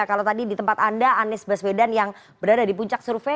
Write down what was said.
kalau tadi di tempat anda anies baswedan yang berada di puncak survei